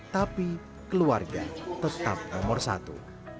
tapi keluarga tetap nomor satu